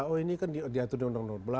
oh ini kan diatur di undang undang dua belas